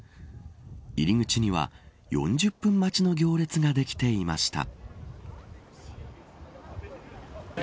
入り口には、４０分待ちの行列ができていました。